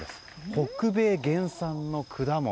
北米原産の果物。